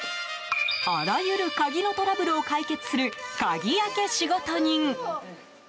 あらゆる鍵のトラブルを解決する鍵開け仕事人。